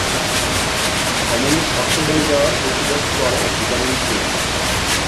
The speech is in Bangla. ধমনীর শক্ত হয়ে যাওয়া প্রতিরোধ করে ভিটামিন কে।